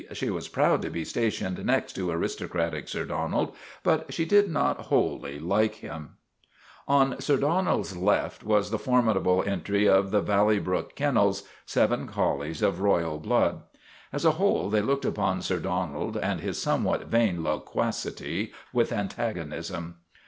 She was proud to be stationed next to aristocratic Sir Donald ; but she did not wholly like him. ioo JUSTICE AT VALLEY BROOK On Sir Donald's left was the formidable entry of the Valley Brook Kennels seven collies of royal blood. As a whole they looked upon Sir Donald and his somewhat vain loquacity with antagonism.